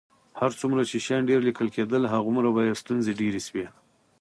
هر څومره چې شیان ډېر لیکل کېدل، همغومره به یې ستونزې ډېرې شوې.